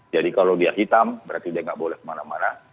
jadi kalau dia hitam berarti dia nggak boleh kemana mana